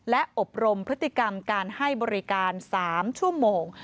และอบรมพฤติกรรมการให้บริการ๓ชั่วโมง